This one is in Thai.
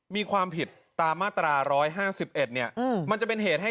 มีความผิดตามมาตรา๑๕๑มันจะเป็นเหตุให้